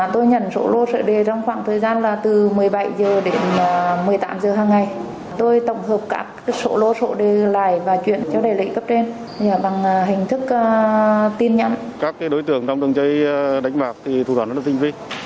tôi nhận số lô sợi đề trong khoảng thời gian là từ một mươi bảy h đến một mươi hai h